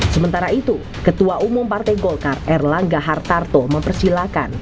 sementara itu ketua umum partai golkar erlangga hartarto mempersilahkan